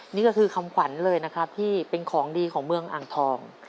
นี่ก็คือคำขวัญเลยนะครับพี่เป็นของดีของเมืองอ่างทอง